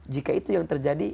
jika itu yang terjadi